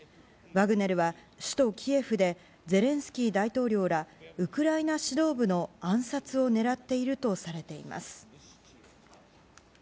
ワグネルは首都キエフでゼレンスキー大統領らウクライナ指導部の暗殺を狙っているとされています。